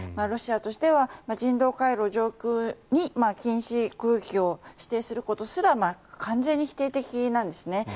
ロシアとしては人道回廊上空に禁止空域を指定することすら完全に否定的なんですね。